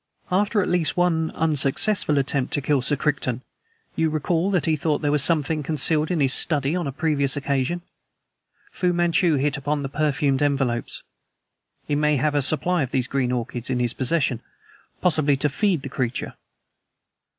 After at least one unsuccessful attempt to kill Sir Crichton you recall that he thought there was something concealed in his study on a previous occasion? Fu Manchu hit upon the perfumed envelopes. He may have a supply of these green orchids in his possession possibly to feed the creature."